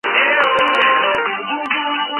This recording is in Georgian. ხვამლი შემოსილია შერეული ტყით.